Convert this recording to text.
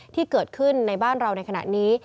ที่เกิดขึ้นในบ้านเราในขณะนี้